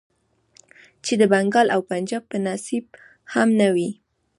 چې د بنګال او پنجاب په نصيب هم نه وې.